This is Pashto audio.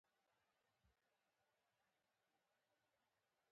ویې ویل: زه به یو څوک په والنتیني پسې ولېږم.